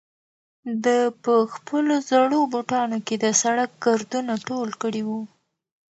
ده په خپلو زړو بوټانو کې د سړک ګردونه ټول کړي وو.